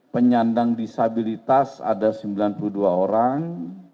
penyandang disabilitas ada sembilan puluh dua orang